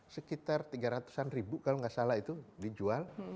sekitar tiga ratus an ribu kalau nggak salah itu dijual